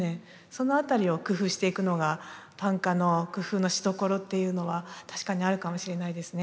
その辺りを工夫していくのが短歌の工夫のしどころっていうのは確かにあるかもしれないですね。